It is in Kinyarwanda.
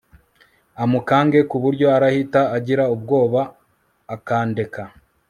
umukange kuburyo arahita agira ubwoba akandeka